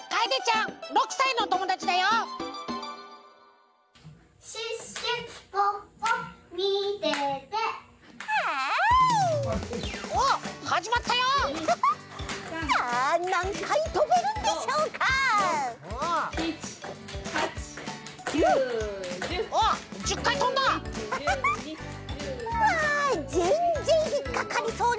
うわぜんぜんひっかかりそうにないですよ！